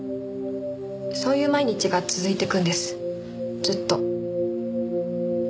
そういう毎日が続いていくんですずっと。